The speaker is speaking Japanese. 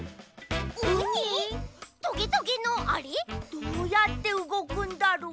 どうやってうごくんだろう？